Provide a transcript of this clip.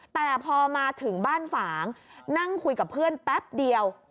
แต่พอมาถึงบ้านฝางนั่งคุยกับเพื่อนแป๊บเดียว